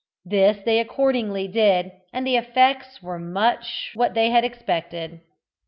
This they accordingly did, and the effects were much what they had expected.